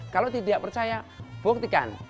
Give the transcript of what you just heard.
kalau tidak percaya buktikan